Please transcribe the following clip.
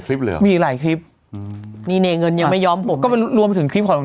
คลิปเหรอมีอีกหลายคลิปอืมนี่เนเงินยังไม่ยอมผมก็เป็นรวมถึงคลิปของ